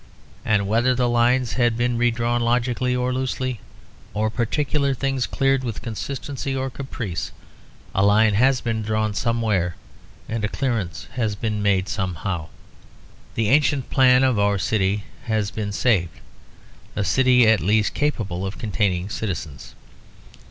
And whether the lines had been redrawn logically or loosely, or particular things cleared with consistency or caprice, a line has been drawn somewhere and a clearance has been made somehow. The ancient plan of our city has been saved; a city at least capable of containing citizens.